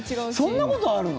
そんなことあるの？